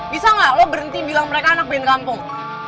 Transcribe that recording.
bisa gak lo berhenti bilang mereka anak band kampung